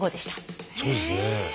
そうですね。